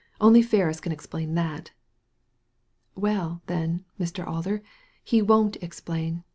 Only Ferris can explain that" "Well, then, Mr. Alder, he won't explain.